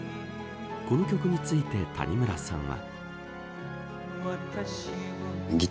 この曲について谷村さんは。